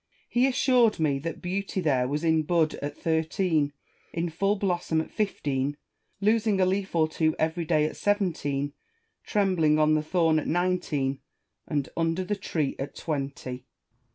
He assured me that beauty there was in bud at thirteen, in full blossom at fifteen, losing a leaf or two every day at seventeen, trembling on the thorn at nineteen, and under the tree at twenty.